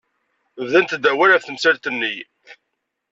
Bdant-d awal ɣef temsalt-nni.